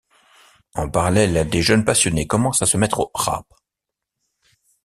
En parallèle, des jeunes passionnés commencent à se mettre au rap.